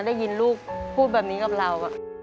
ได้ยินลูกพูดแบบนี้กับเรา